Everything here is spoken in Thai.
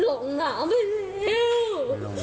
หลงหนาไปในกลางตรง